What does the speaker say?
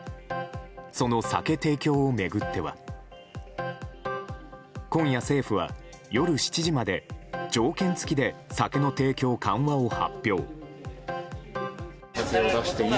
その酒提供を巡っては今夜、政府は夜７時まで条件付きで酒の提供緩和を発表。